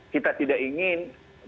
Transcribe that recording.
kita tidak ingin